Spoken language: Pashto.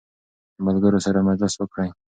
د ملګرو سره مجلس وکړئ.